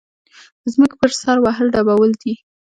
د ځمکې پر سر وهل ډبول دي.